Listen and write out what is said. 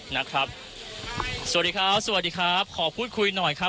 นะครับสวัสดีครับสวัสดีครับขอพูดคุยหน่อยครับ